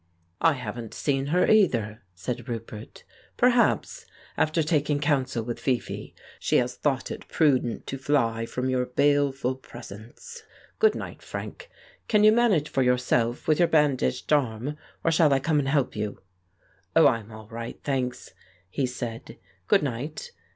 "I haven't seen her either," said Roupert. "Per haps, after taking counsel with Fifi, she has thought it prudent to fly from your baleful presence. Good night, Frank. Can you manage for yourself with your bandaged arm, or shall I come and help you ?" "Oh, I'm all right, thanks," he said; "good night.